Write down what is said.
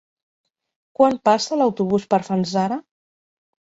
Quan passa l'autobús per Fanzara?